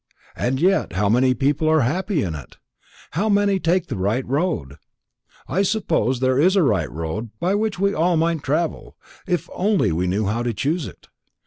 And yet how many people are happy in it? how many take the right road? I suppose there is a right road by which we all might travel, if we only knew how to choose it."